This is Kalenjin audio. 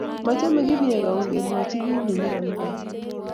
Machame Kipyego kemwochi kit ne nyolu koyai.